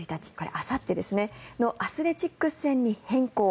あさってのアスレチックス戦に変更。